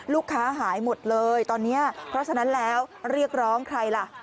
หายหมดเลยตอนนี้เพราะฉะนั้นแล้วเรียกร้องใครล่ะ